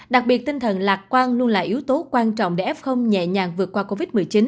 đặc biệt tinh thần lạc quan luôn là yếu tố quan trọng để f nhẹ nhàng vượt qua covid một mươi chín